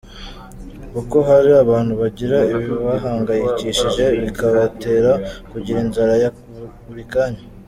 Kuko hari abantu bagira ibibahangayikishije bikabatera kugira inzara ya buri kanya.